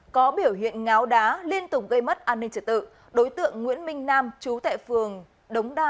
có biểu hiện ngáo đá liên tục gây mất an ninh trật tự đối tượng nguyễn minh nam chú tại phường đống đa